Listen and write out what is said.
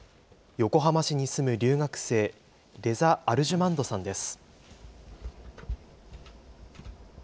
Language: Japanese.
横浜市に住む留学生、レザ・アルジュマンドさんです。